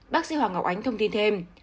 bác sĩ hoàng ngọc ánh thông tin thêm